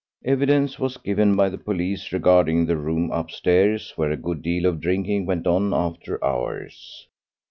Evidence was given by the police regarding the room upstairs, where a good deal of drinking went on after hours.